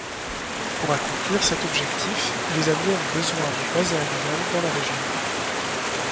Pour accomplir cet objectif, les Alliés ont besoin de bases aériennes dans la région.